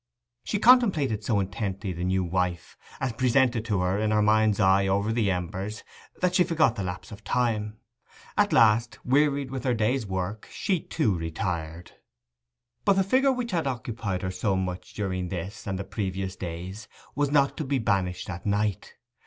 She contemplated so intently the new wife, as presented to her in her mind's eye over the embers, that she forgot the lapse of time. At last, wearied with her day's work, she too retired. But the figure which had occupied her so much during this and the previous days was not to be banished at night.